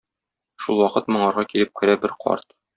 Шулвакыт моңарга килеп керә бер карт.